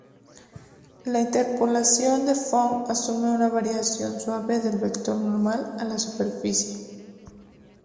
La interpolación de Phong asume una variación suave del vector normal a la superficie.